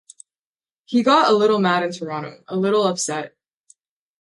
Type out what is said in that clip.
He got a little mad in Toronto, a little upset.